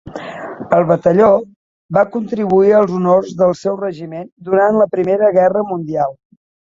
El batalló va contribuir als honors del seu regiment durant la Primera Guerra Mundial.